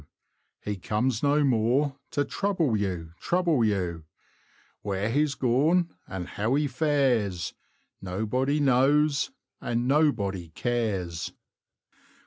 ; He comes no more to trouble U, trouble U; Where he's gone, & how he fares, Nobody knows & nobody cares.